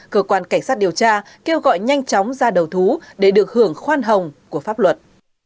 cơ quan cảnh sát điều tra kêu gọi nhanh chóng ra đầu thú để được hưởng khoan hồng của pháp luật